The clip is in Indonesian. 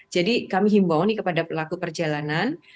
jadi kami himbau nih kepada pelaku perjalanan